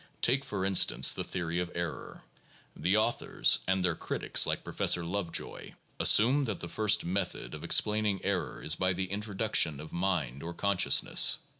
Take, for instance, the theory of error. The authors (and their critics, like Professor Lovejoy) assume that the first method of explaining error is by the introduction of mind or consciousness.